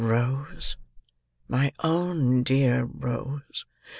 "Rose, my own dear Rose!